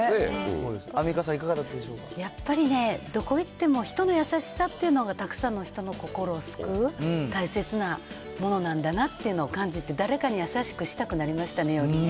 アンミカさん、やっぱりね、どこ行っても人の優しさっていうのがたくさんの人の心を救う、大切なものなんだなっていうのを感じて、誰かに優しくしたくなりましたね、よりね。